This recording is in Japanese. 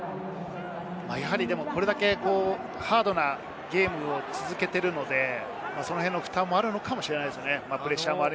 やはりこれだけハードなゲームを続けているので、その辺の負担もあるのかもしれないですね。